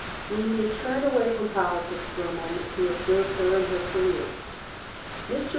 We may turn away from politics for a moment to observe her and her career. Mr.